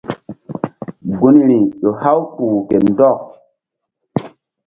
Gunri ƴo haw kpuh ke ndɔk.